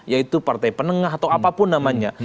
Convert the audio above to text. yaitu partai penengah atau apapun namanya